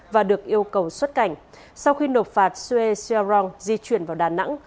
và được yêu cầu xuất cảnh sau khi nộp phạt suez sialong di chuyển vào đà nẵng